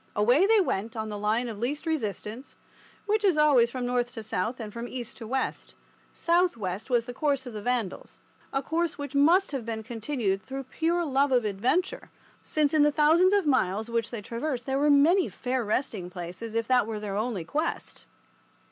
Away they went on the line of least resistance, which is always from north to south and from east to west. South west was the course of the Vandals—a course which must have been continued through pure love of adventure, since in the thousands of miles which they traversed there were many fair resting places, if that were only their quest.